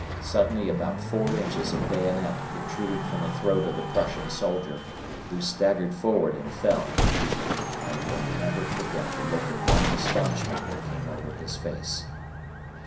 Suddenly about four inches of bayonet protruded from the throat of the Prussian soldier, who staggered forward and fell. I will never forget the look of blank astonishment that came over his face.